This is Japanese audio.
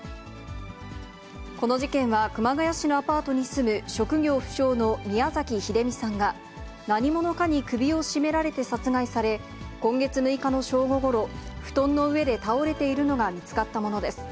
この事件は熊谷市のアパートに住む職業不詳の宮崎英美さんが、何者かに首を絞められて殺害され、今月６日の正午ごろ、布団の上で倒れているのが見つかったものです。